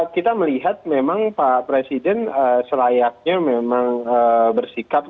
kita melihat memang pak presiden selayaknya memang bersikap